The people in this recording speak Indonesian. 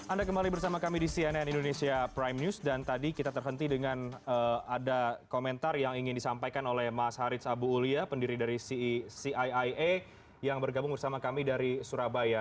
anda kembali bersama kami di cnn indonesia prime news dan tadi kita terhenti dengan ada komentar yang ingin disampaikan oleh mas haris abu ulia pendiri dari ciia yang bergabung bersama kami dari surabaya